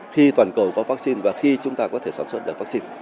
khi toàn cầu có vaccine và khi chúng ta có thể sản xuất được vaccine